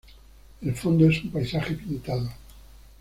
El fondo es un paisaje pintado.